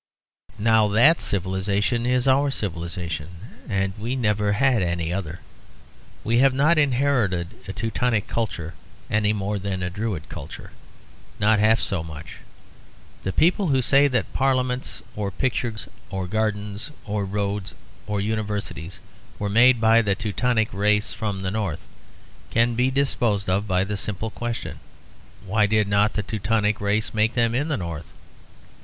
Now that civilisation is our civilisation, and we never had any other. We have not inherited a Teutonic culture any more than a Druid culture; not half so much. The people who say that parliaments or pictures or gardens or roads or universities were made by the Teutonic race from the north can be disposed of by the simple question: why did not the Teutonic race make them in the north?